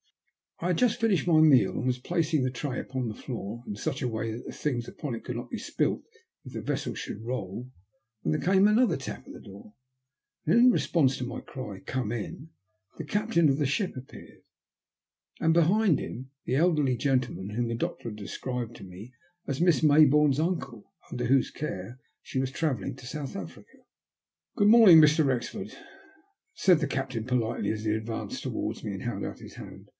I had just finished my meal, and was placing the tray upon the floor in such a way that the things upon it could not be spilt if the vessel should roll, when there came another tap at the door, and in response to my cry *' come in," the captain of the ship appeared, and behind him the elderly gentleman whom the doctor had described to me as Miss May bourne's uncle, under whose care she was travelling to South Africa. " Good morning, Mr. Wrexford," said the captain, politely, as he advanced towards me and held out his hand.